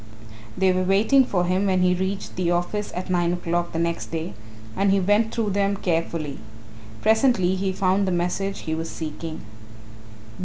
They were waiting for him when he reached the office at nine o'clock the next day and he went through them carefully. Presently he found the message he was seeking.